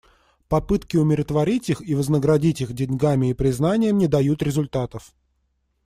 Попытки умиротворить их и вознаградить их деньгами и признанием не дают результатов.